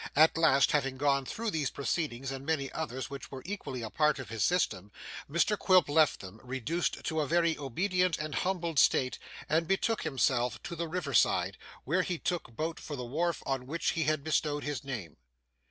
At last, having gone through these proceedings and many others which were equally a part of his system, Mr Quilp left them, reduced to a very obedient and humbled state, and betook himself to the river side, where he took boat for the wharf on which he had bestowed his name.